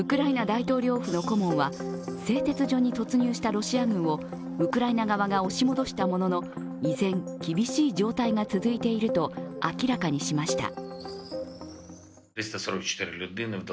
大統領府の顧問は製鉄所に突入したロシア軍をウクライナ側が押し戻したものの、依然厳しい状態が続いていると明らかにしました。